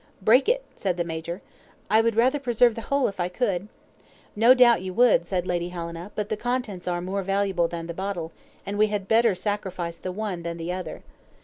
"Break it," said the Major. "I would rather preserve the whole if I could." "No doubt you would," said Lady Helena; "but the contents are more valuable than the bottle, and we had better sacrifice the one than the other."